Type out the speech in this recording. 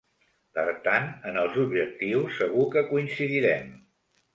Per tant, en els objectius segur que coincidirem.